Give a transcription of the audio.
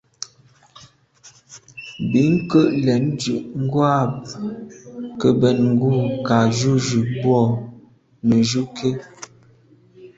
Bin ke’ lèn ndù ngwa ke mbèn ngù kà jujù mbwô nejù ké.